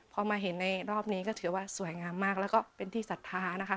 พอมาเห็นในรอบนี้ก็ถือว่าสวยงามมากแล้วก็เป็นที่ศรัทธานะคะ